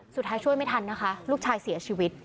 ช่วยไม่ทันนะคะลูกชายเสียชีวิต